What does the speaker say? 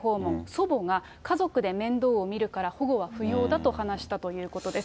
祖母が、家族で面倒を見るから保護は不要だと話したということです。